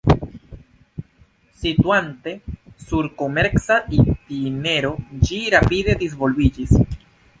Situante sur komerca itinero ĝi rapide disvolviĝis.